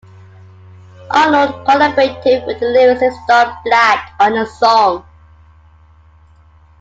Arnold collaborated with lyricist Don Black on the song.